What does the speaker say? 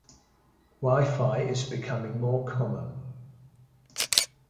WiFi is becoming more common.